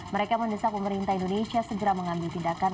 mereka mendesak pemerintah indonesia segera mengambil tindakan